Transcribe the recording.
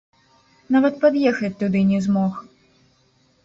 Нават пад'ехаць туды не змог.